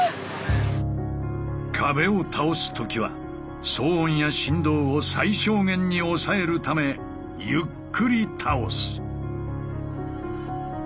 壁を倒す時は騒音や振動を最小限に抑えるためゆっくり倒す。